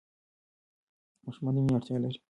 ماشومان د مینې اړتیا لري.